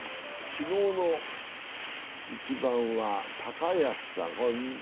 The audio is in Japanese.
昨日の一番は高安さん。